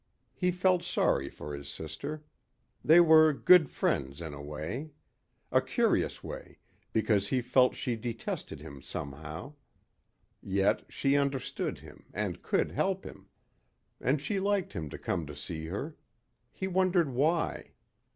He felt sorry for his sister. They were good friends in a way. A curious way because he felt she detested him somehow. Yet she understood him and could help him. And she liked him to come to see her. He wondered why.